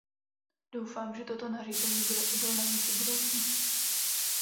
Doufám, že toto nařízení bude odolné vůči budoucnosti.